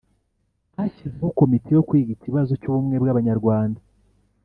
Hashyizeho Komite yo kwiga ikibazo cy'ubumwe bw'Abanyarwanda,